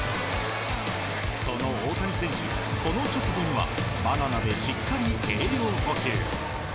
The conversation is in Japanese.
その大谷選手、この直後にはバナナでしっかり栄養補給。